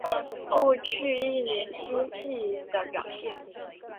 过去一年经济的表现